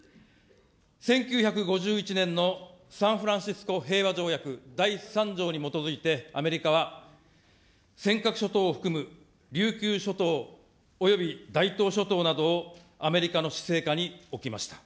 １９５１年のサンフランシスコ平和条約第３条に基づいて、アメリカは尖閣諸島を含む琉球諸島および大東諸島などをアメリカの施政下に置きました。